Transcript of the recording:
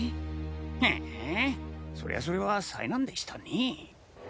へそれはそれは災難でしたね。